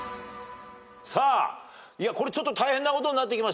さあこれちょっと大変なことになってきましたよ。